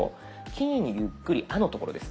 キーにゆっくり「あ」の所です。